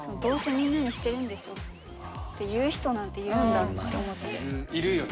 どうせみんなにしてるんでしょって言う人なんているんだって思ってる。